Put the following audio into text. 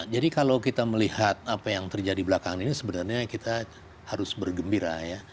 jadi kalau kita melihat apa yang terjadi belakangan ini sebenarnya kita harus bergembira ya